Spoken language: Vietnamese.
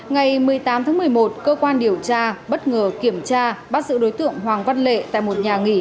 ngày một mươi tám tháng một mươi một cơ quan điều tra bất ngờ kiểm tra bắt giữ đối tượng hoàng văn lệ tại một nhà nghỉ